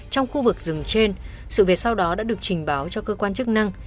trong khu vực rừng trên sự việc sau đó đã được trình báo cho cơ quan chức năng